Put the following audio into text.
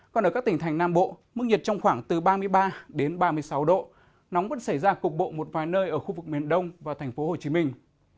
còn ở các tỉnh thành nam bộ mức nhiệt trong khoảng từ ba mươi ba đến ba mươi sáu độ nóng vẫn xảy ra cục bộ một vài nơi ở khu vực miền đông và thành phố hồ chí minh